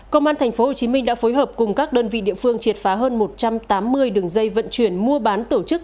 công an tp hcm đã phối hợp cùng các đơn vị địa phương triệt phá hơn một trăm tám mươi đường dây vận chuyển mua bán tổ chức